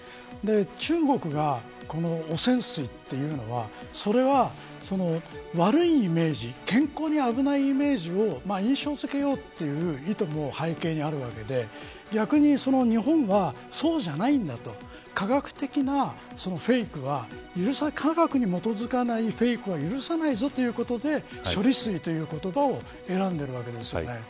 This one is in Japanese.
中国が汚染水と言うのはそれは悪いイメージ健康に危ないイメージを印象づけようとする意図も背景にあるわけで逆に日本が、そうじゃないんだと科学的なフェイクは科学に基づかないフェイクは許さないぞということで処理水という言葉を選んでいるわけですよね。